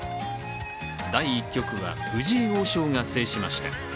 第１局は藤井王将が制しました。